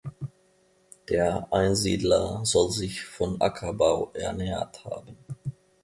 Der Einsiedler soll sich von Ackerbau ernährt haben.